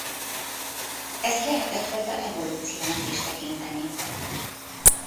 Ezt lehet egyfajta evolúciónak is tekinteni.